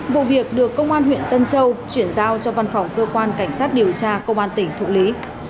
vụ việc được công an huyện tân châu chuyển giao cho văn phòng cơ quan cảnh sát điều tra công an tỉnh thụ lý